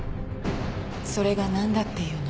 それが何だっていうの？